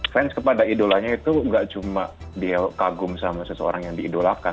fans kepada idolanya itu gak cuma dia kagum sama seseorang yang diidolakan